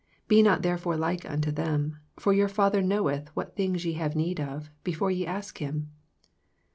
Be not therefore like unto them : for your Father knoweth what things ye have need of, before ye ask Him.''''